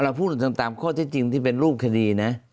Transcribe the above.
พูดถึงตามข้อที่จริงที่เป็นรูปคดีนะ